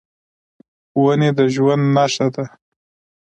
ونې د ژوند نښه ده.